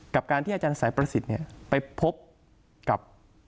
การที่อาจารย์ไส้ประสิทธิ์ไปพบ